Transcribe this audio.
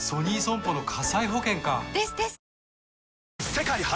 世界初！